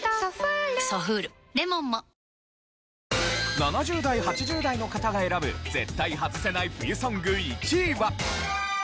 ７０代８０代の方が選ぶ絶対ハズせない冬ソング１位は？